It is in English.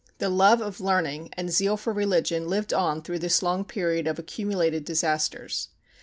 The love of learning and zeal for religion lived on through this long period of accumulated disasters.